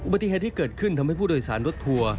ปฏิเหตุที่เกิดขึ้นทำให้ผู้โดยสารรถทัวร์